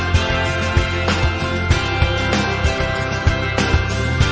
ขอโทษครับ